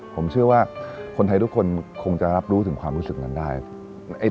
ผมเชื่อว่าคนไทยทุกคนคงจะรับรู้ถึงความรู้สึกนั้นได้